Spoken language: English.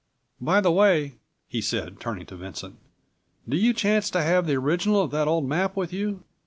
"By the way," he said turning to Vincent, "do you chance to have the original of that old map with you?"